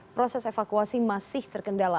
proses evakuasi masih terkendala